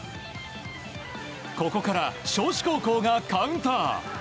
ここから尚志高校がカウンター。